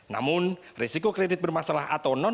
namun risiko kredit bermasalah atau non kredit